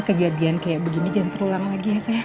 kejadian kayak begini jangan terulang lagi ya saya